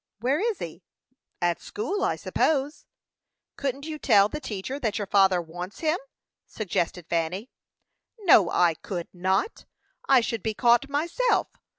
"Where is he?" "At school, I suppose." "Couldn't you tell the teacher that your father wants him?" suggested Fanny. "No, I could not! I should be caught myself.